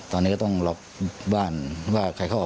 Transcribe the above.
ตอนนี้ก็ต้องล็อกบ้านว่าใครเข้าออก